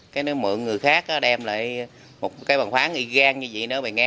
cái nếu mượn người khác đem lại